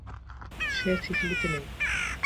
সে সিসিলিতে নেই।